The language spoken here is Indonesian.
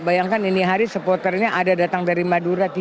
bayangkan ini hari supporternya ada datang dari madura